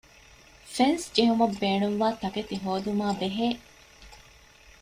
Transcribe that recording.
ފެންސް ޖެހުމަށް ބޭނުންވާ ތަކެތި ހޯދުމާބެހޭ